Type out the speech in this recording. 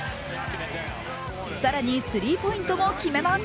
更に、スリーポイントも決めます。